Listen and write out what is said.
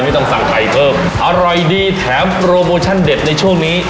ไม่ต้องสั่งไข่เพิ่มอร่อยดีแถมโปรโมชั่นเด็ดในช่วงนี้